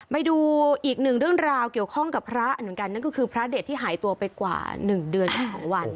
ไปดูอีกหนึ่งเรื่องราวเกี่ยวข้องกับพระเหมือนกันนั่นก็คือพระเด็ดที่หายตัวไปกว่า๑เดือนกับ๒วัน